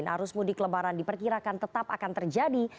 arus mudik lebaran diperkirakan tetap akan terjadi